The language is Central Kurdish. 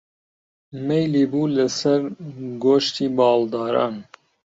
مەیلی بوو لەسەر گۆشتی باڵداران